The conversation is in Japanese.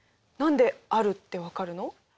何であるって分かるの？